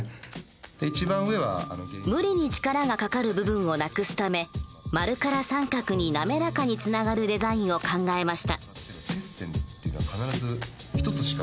無理に力がかかる部分を無くすため丸から三角に滑らかにつながるデザインを考えました。